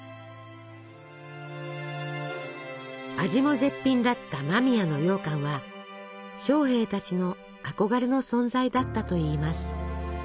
味も絶品だった間宮のようかんは将兵たちの憧れの存在だったといいます。